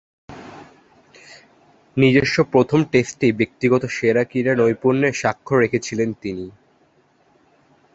নিজস্ব প্রথম টেস্টেই ব্যক্তিগত সেরা ক্রীড়া নৈপুণ্যের স্বাক্ষর রেখেছিলেন তিনি।